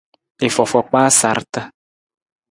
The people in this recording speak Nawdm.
I fofo kpaa sarata.